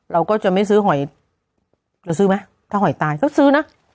เราก็จะไม่ซื้อหอยเราซื้อไหมถ้าหอยตายก็ซื้อนะ